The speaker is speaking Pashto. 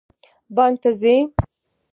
بانک ته ځئ؟